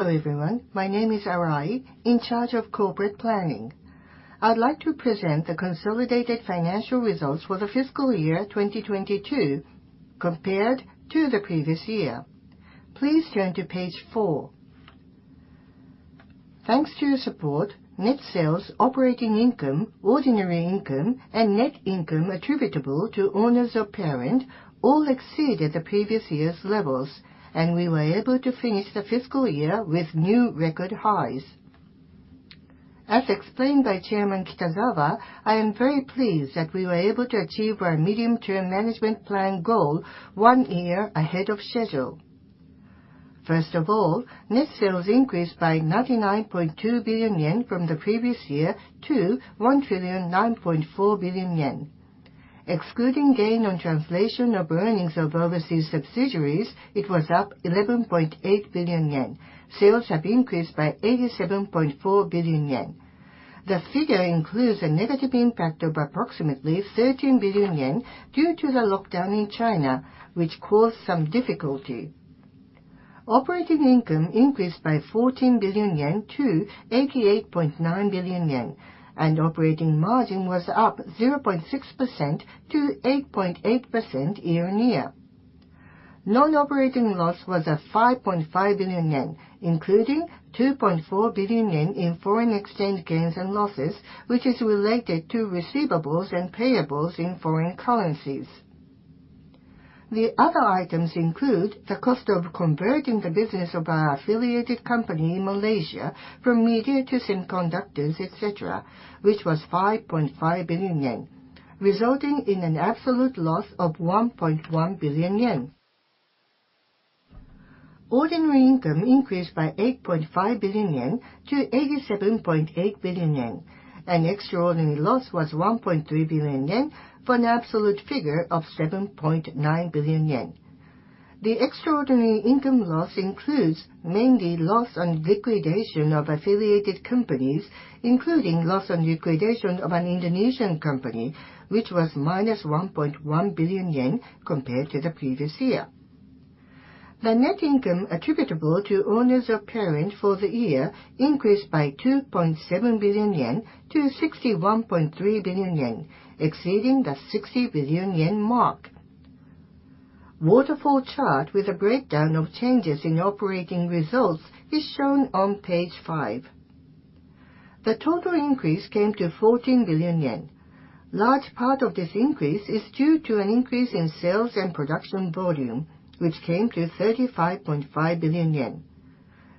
Hello, everyone. My name is Arai, in charge of corporate planning. I'd like to present the consolidated financial results for the fiscal year 2022 compared to the previous year. Please turn to page four. Thanks to your support, net sales, operating income, ordinary income, and net income attributable to owners of parent all exceeded the previous year's levels, and we were able to finish the fiscal year with new record highs. As explained by Chairman Kitazawa, I am very pleased that we were able to achieve our medium-term management plan goal one year ahead of schedule. First of all, net sales increased by 99.2 billion yen from the previous year to 1,009.4 billion yen. Excluding gain on translation of earnings of overseas subsidiaries, it was up 11.8 billion yen. Sales have increased by 87.4 billion yen. The figure includes a negative impact of approximately 13 billion yen due to the lockdown in China, which caused some difficulty. Operating income increased by 14 billion yen to 88.9 billion yen. Operating margin was up 0.6% to 8.8% year-on-year. Non-operating loss was at 5.5 billion yen, including 2.4 billion yen in foreign exchange gains and losses, which is related to receivables and payables in foreign currencies. The other items include the cost of converting the business of our affiliated company in Malaysia from media to semiconductors, et cetera, which was 5.5 billion yen, resulting in an absolute loss of 1.1 billion yen. Ordinary income increased by 8.5 billion yen to 87.8 billion yen, and extraordinary loss was 1.3 billion yen for an absolute figure of 7.9 billion yen. The extraordinary income loss includes mainly loss on liquidation of affiliated companies, including loss on liquidation of an Indonesian company, which was -1.1 billion yen compared to the previous year. The net income attributable to owners of parent for the year increased by 2.7 billion yen to 61.3 billion yen, exceeding the 60 billion yen mark. Waterfall chart with a breakdown of changes in operating results is shown on page five. The total increase came to 14 billion yen. Large part of this increase is due to an increase in sales and production volume, which came to 35.5 billion yen.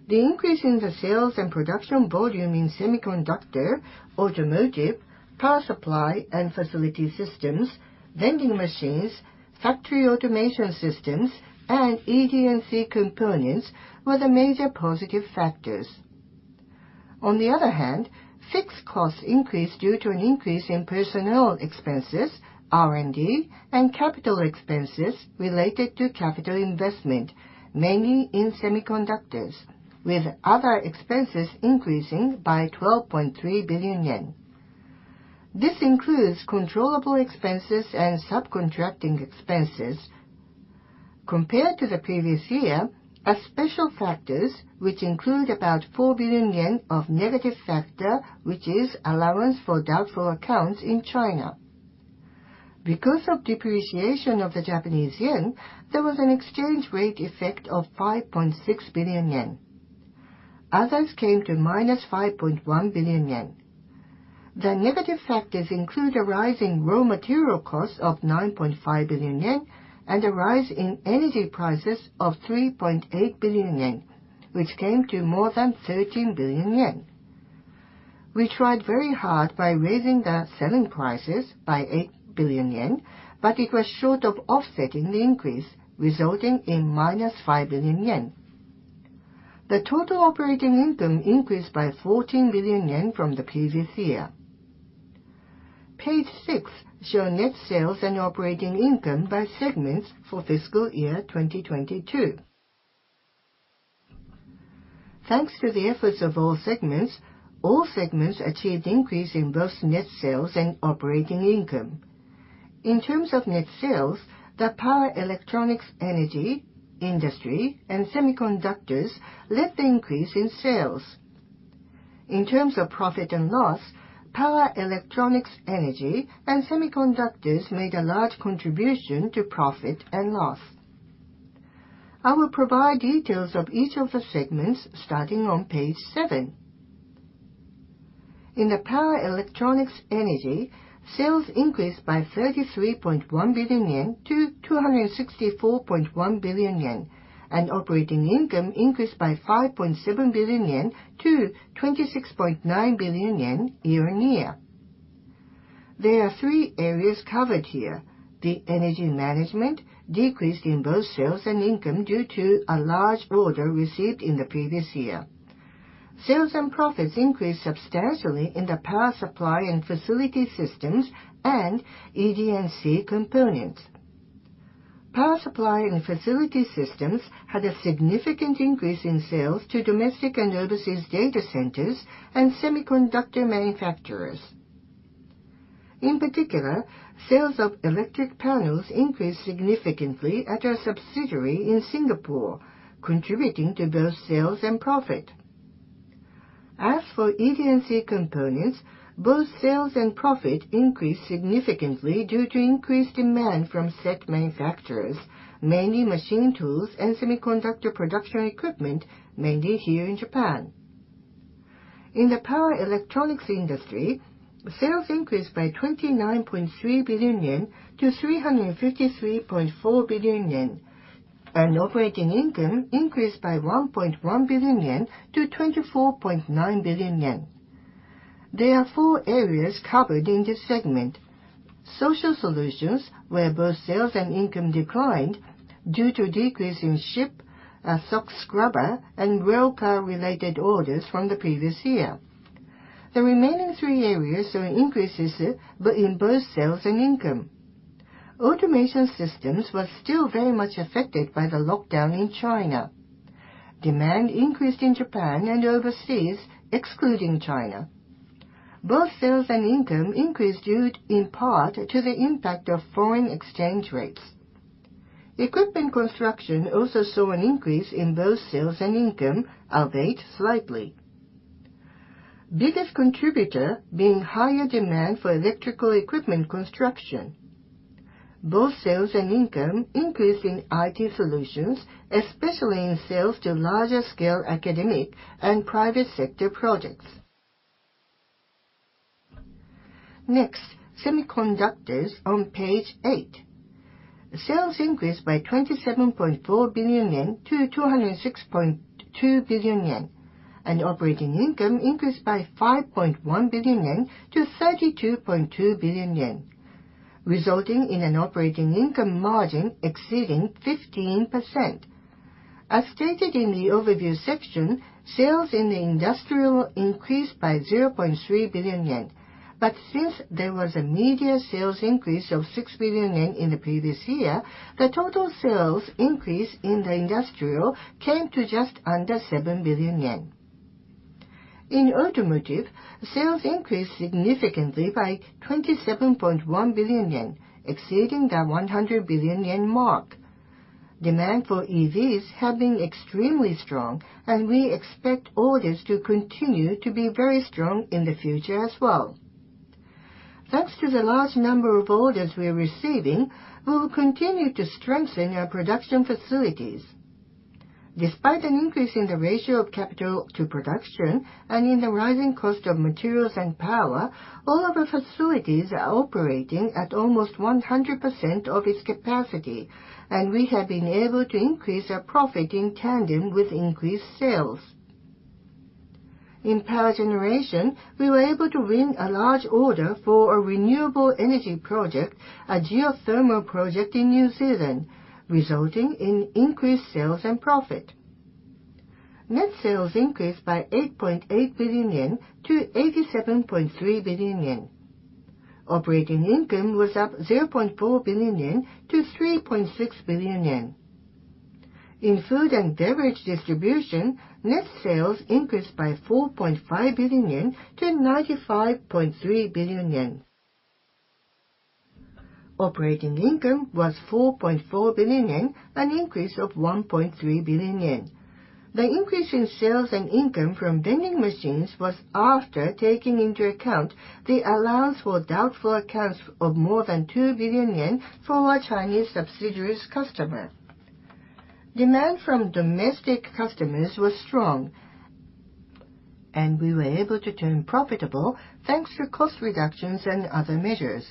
The increase in the sales and production volume in Semiconductors, Automotive, Power Supply & Facility Systems, Vending Machines, Factory Automation Systems, and ED&C Components were the major positive factors. On the other hand, fixed costs increased due to an increase in personnel expenses, R&D, and capital expenses related to capital investment, mainly in Semiconductors, with other expenses increasing by 12.3 billion yen. This includes controllable expenses and subcontracting expenses. Compared to the previous year, a special factors which include about 4 billion yen of negative factor, which is allowance for doubtful accounts in China. Because of depreciation of the Japanese yen, there was an exchange rate effect of 5.6 billion yen. Others came to -5.1 billion yen. The negative factors include a rise in raw material costs of 9.5 billion yen and a rise in energy prices of 3.8 billion yen, which came to more than 13 billion yen. We tried very hard by raising the selling prices by 8 billion yen, but it was short of offsetting the increase, resulting in -5 billion yen. The total operating income increased by 14 billion yen from the previous year. Page six show net sales and operating income by segments for fiscal year 2022. Thanks to the efforts of all segments, all segments achieved increase in both net sales and operating income. In terms of net sales, the Power Electronics Energy, Industry, and Semiconductors led the increase in sales. In terms of profit and loss, Power Electronics Energy and Semiconductors made a large contribution to profit and loss. I will provide details of each of the segments starting on page seven. In the Power Electronics Energy, sales increased by 33.1 billion yen to 264.1 billion yen, and operating income increased by 5.7 billion yen to 26.9 billion yen year-on-year. There are three areas covered here. The Energy Management decreased in both sales and income due to a large order received in the previous year. Sales and profits increased substantially in the Power Supply & Facility Systems and ED&C Components. Power Supply & Facility Systems had a significant increase in sales to domestic and overseas data centers and semiconductor manufacturers. In particular, sales of electric panels increased significantly at our subsidiary in Singapore, contributing to both sales and profit. As for ED&C Components, both sales and profit increased significantly due to increased demand from set manufacturers, mainly machine tools and semiconductor production equipment, mainly here in Japan. In the Power Electronics Industry, sales increased by 29.3 billion yen to 353.4 billion yen, and operating income increased by 1.1 billion yen to 24.9 billion yen. There are four areas covered in this segment. Social solutions, where both sales and income declined due to decrease in ship, SOx scrubber and railcar related orders from the previous year. The remaining three areas saw increases in both sales and income. Automation Systems were still very much affected by the lockdown in China. Demand increased in Japan and overseas, excluding China. Both sales and income increased due in part to the impact of foreign exchange rates. Equipment construction also saw an increase in both sales and income, albeit slightly. Contributor being higher demand for electrical equipment construction. Both sales and income increased in IT solutions, especially in sales to larger scale academic and private sector projects. Semiconductors on page 8. Sales increased by 27.4 billion yen to 206.2 billion yen, and operating income increased by 5.1 billion yen to 32.2 billion yen, resulting in an operating income margin exceeding 15%. As stated in the overview section, sales in the Industrial increased by 0.3 billion yen. Since there was a media sales increase of 6 billion yen in the previous year, the total sales increase in the Industrial came to just under 7 billion yen. In Automotive, sales increased significantly by 27.1 billion yen, exceeding the 100 billion yen mark. Demand for EVs have been extremely strong, we expect orders to continue to be very strong in the future as well. Thanks to the large number of orders we are receiving, we will continue to strengthen our production facilities. Despite an increase in the ratio of capital to production and in the rising cost of materials and power, all of our facilities are operating at almost 100% of its capacity, we have been able to increase our profit in tandem with increased sales. In Power Generation, we were able to win a large order for a renewable energy project, a geothermal project in New Zealand, resulting in increased sales and profit. Net sales increased by 8.8 billion yen to 87.3 billion yen. Operating income was up 0.4 billion yen to 3.6 billion yen. In Food and Beverage Distribution, net sales increased by 4.5 billion yen to 95.3 billion yen. Operating income was 4.4 billion yen, an increase of 1.3 billion yen. The increase in sales and income from vending machines was after taking into account the allowance for doubtful accounts of more than 2 billion yen for our Chinese subsidiary's customer. Demand from domestic customers was strong, and we were able to turn profitable thanks to cost reductions and other measures.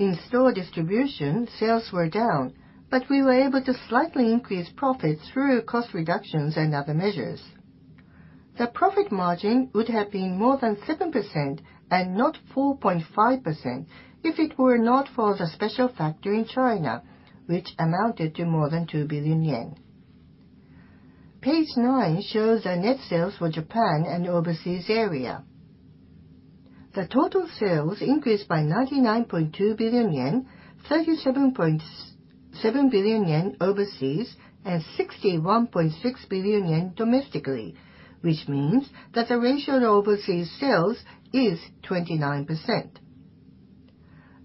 In Store Distribution, sales were down, but we were able to slightly increase profits through cost reductions and other measures. The profit margin would have been more than 7% and not 4.5% if it were not for the special factor in China, which amounted to more than 2 billion yen. Page nine shows our net sales for Japan and overseas area. The total sales increased by 99.2 billion yen, 37.7 billion yen overseas, and 61.6 billion yen domestically, which means that the ratio of overseas sales is 29%.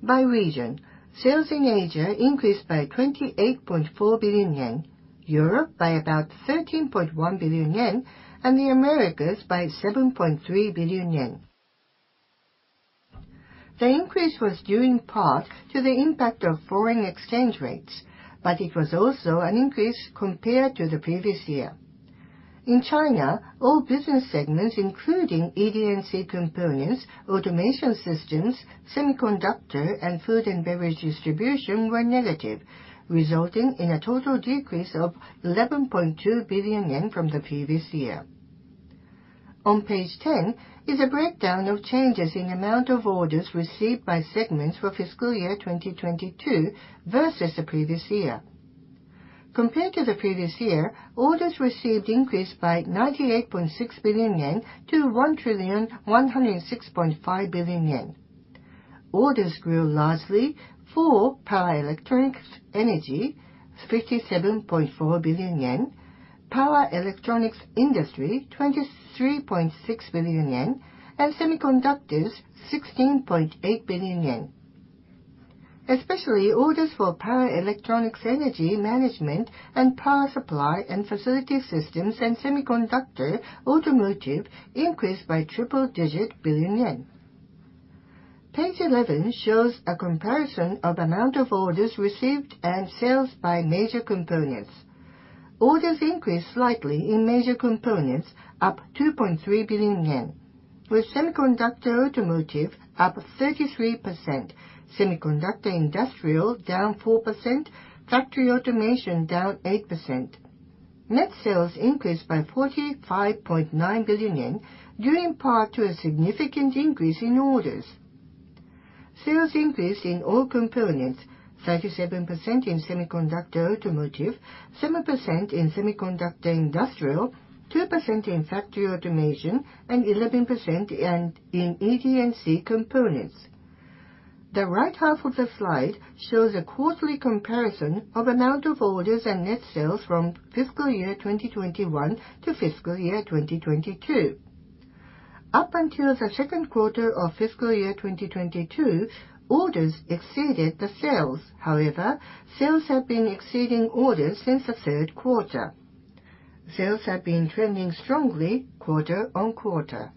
By region, sales in Asia increased by 28.4 billion yen, Europe by about 13.1 billion yen, and the Americas by 7.3 billion yen. The increase was due in part to the impact of foreign exchange rates, but it was also an increase compared to the previous year. In China, all business segments, including ED&C Components, Automation Systems, Semiconductors, and Food and Beverage Distribution, were negative, resulting in a total decrease of 11.2 billion yen from the previous year. On Page 10 is a breakdown of changes in amount of orders received by segments for fiscal year 2022 versus the previous year. Compared to the previous year, orders received increased by 98.6 billion yen to 1,106.5 billion yen. Orders grew largely for Power Electronics Energy, 57.4 billion yen, Power Electronics Industry, 23.6 billion yen, and Semiconductors, 16.8 billion yen. Especially orders for Power Electronics Energy management and power supply and facility systems and automotive semiconductors increased by triple digit billion JPY. Page 11 shows a comparison of amount of orders received and sales by major components. Orders increased slightly in major components, up 2.3 billion yen, with automotive semiconductors up 33%, industrial semiconductors down 4%, factory automation down 8%. Net sales increased by 45.9 billion yen, due in part to a significant increase in orders. Sales increased in all components, 37% in automotive semiconductors, 7% in industrial semiconductors, 2% in factory automation, and 11% in ED&C Components. The right half of the slide shows a quarterly comparison of amount of orders and net sales from fiscal year 2021 to fiscal year 2022. Up until the second quarter of fiscal year 2022, orders exceeded the sales. However, sales have been exceeding orders since the third quarter. Sales have been trending strongly quarter-on-quarter.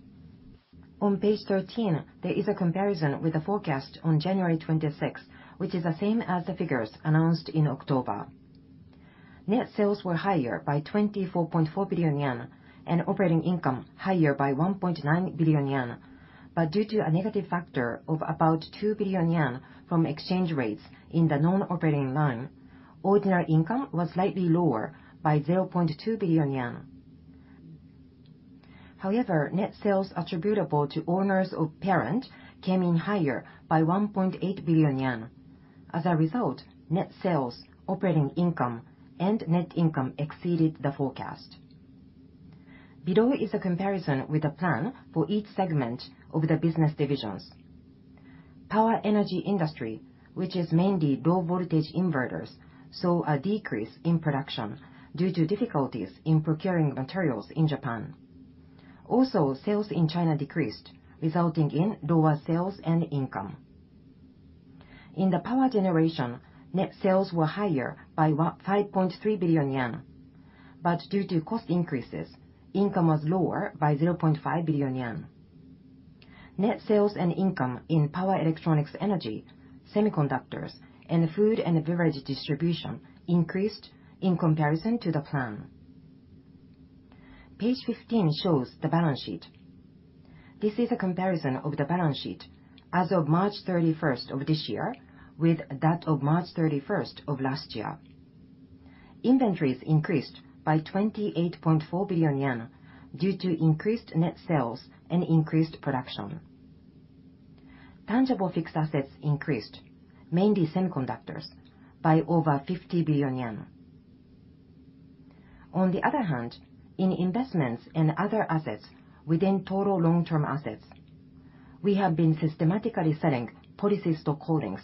On page 13, there is a comparison with the forecast on January 26th, which is the same as the figures announced in October. Net sales were higher by 24.4 billion yen and operating income higher by 1.9 billion yen. Due to a negative factor of about 2 billion yen from exchange rates in the non-operating line, ordinary income was slightly lower by 0.2 billion yen. However, net sales attributable to owners of parent came in higher by 1.8 billion yen. As a result, net sales, operating income, and net income exceeded the forecast. Below is a comparison with the plan for each segment of the business divisions. Power Electronics Industry, which is mainly low voltage inverters, saw a decrease in production due to difficulties in procuring materials in Japan. Sales in China decreased, resulting in lower sales and income. In the Power generation, net sales were higher by 5.3 billion yen, but due to cost increases, income was lower by 0.5 billion yen. Net sales and income in Power Electronics Energy, Semiconductors, and Food and Beverage Distribution increased in comparison to the plan. Page 15 shows the balance sheet. This is a comparison of the balance sheet as of March 31st of this year with that of March 31st of last year. Inventories increased by 28.4 billion yen due to increased net sales and increased production. Tangible fixed assets increased, mainly Semiconductors, by over 50 billion yen. On the other hand, in investments and other assets within total long-term assets, we have been systematically selling policy stock holdings,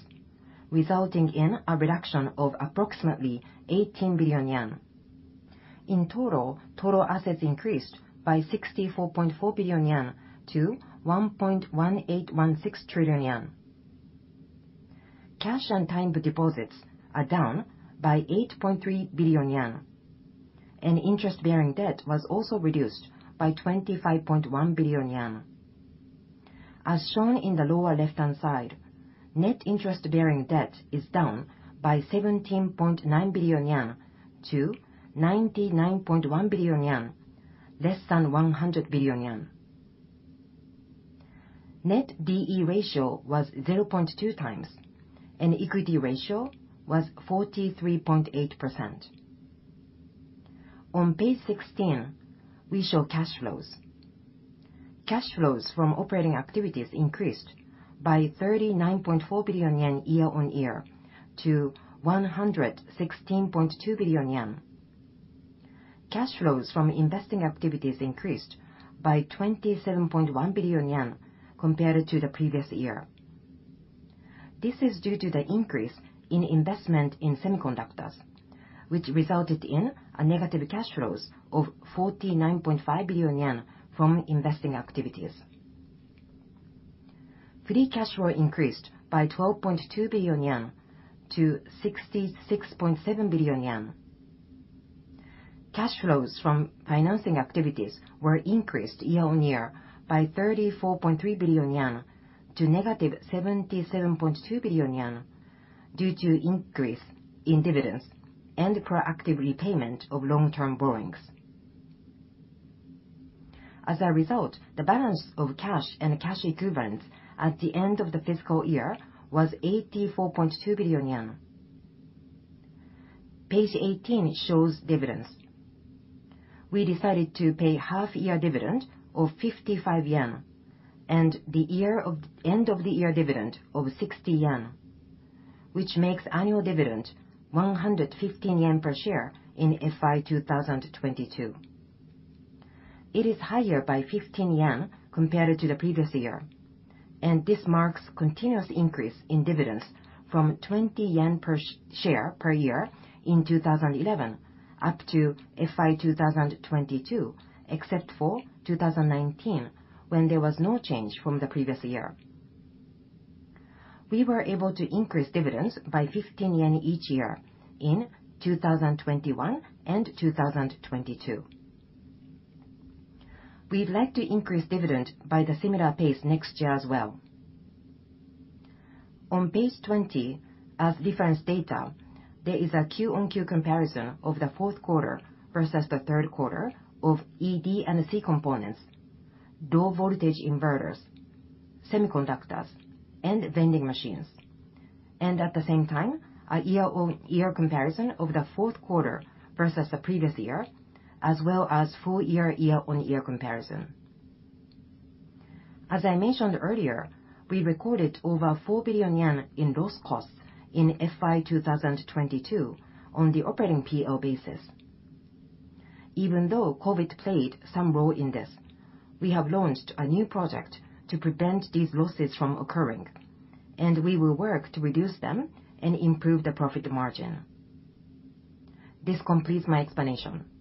resulting in a reduction of approximately 18 billion yen. In total assets increased by 64.4 billion yen to 1.1816 trillion yen. Cash and time deposits are down by 8.3 billion yen, and interest-bearing debt was also reduced by 25.1 billion yen. As shown in the lower left-hand side, net interest-bearing debt is down by 17.9 billion yen to 99.1 billion yen, less than 100 billion yen. Net DE ratio was 0.2x, and equity ratio was 43.8%. On page 16, we show cash flows. Cash flows from operating activities increased by 39.4 billion yen year-on-year to 116.2 billion yen. Cash flows from investing activities increased by 27.1 billion yen compared to the previous year. This is due to the increase in investment in Semiconductors, which resulted in a negative cash flows of 49.5 billion yen from investing activities. Free cash flow increased by 12.2 billion yen to 66.7 billion yen. Cash flows from financing activities were increased year-over-year by 34.3 billion yen to -77.2 billion yen due to increase in dividends and proactive repayment of long-term borrowings. As a result, the balance of cash and cash equivalents at the end of the fiscal year was 84.2 billion yen. Page 18 shows dividends. We decided to pay half year dividend of 55 yen and the end of the year dividend of 60 yen, which makes annual dividend 115 yen per share in FY 2022. It is higher by 15 yen compared to the previous year, and this marks continuous increase in dividends from 20 yen per share per year in 2011 up to FY 2022, except for 2019, when there was no change from the previous year. We were able to increase dividends by 15 yen each year in 2021 and 2022. We'd like to increase dividend by the similar pace next year as well. On page 20, as reference data, there is a Q-on-Q comparison of the fourth quarter versus the third quarter of ED&C Components, low voltage inverters, Semiconductors, and Vending Machines. At the same time, a year-on-year comparison of the fourth quarter versus the previous year, as well as full year year-on-year comparison. As I mentioned earlier, we recorded over 4 billion yen in loss costs in FY 2022 on the operating P&L basis. Even though COVID played some role in this, we have launched a new project to prevent these losses from occurring, and we will work to reduce them and improve the profit margin. This completes my explanation.